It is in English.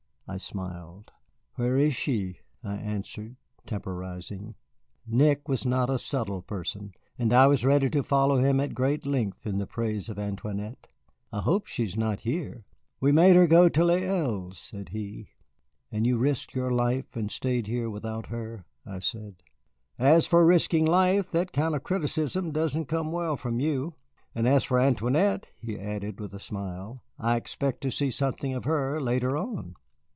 I smiled. "Where is she?" I asked, temporizing. Nick was not a subtle person, and I was ready to follow him at great length in the praise of Antoinette. "I hope she is not here." "We made her go to Les Îles," said he. "And you risked your life and stayed here without her?" I said. "As for risking life, that kind of criticism doesn't come well from you. And as for Antoinette," he added with a smile, "I expect to see something of her later on."